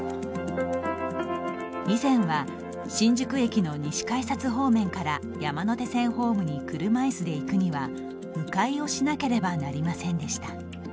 以前は、新宿駅の西改札方面から山手線ホームに車いすで行くにはう回をしなければなりませんでした。